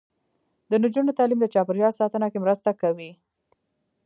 د نجونو تعلیم د چاپیریال ساتنه کې مرسته کوي.